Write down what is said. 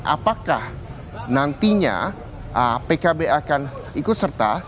apakah nantinya pkb akan ikut serta